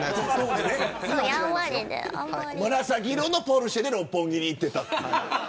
紫色のポルシェで六本木に行っていた。